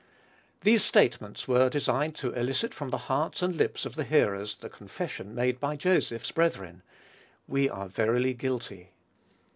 These statements were designed to elicit from the hearts and lips of the hearers the confession made by Joseph's brethren "We are verily guilty."